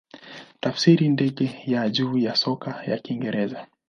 Tafsiri ndege ya juu ya soka ya Kiingereza.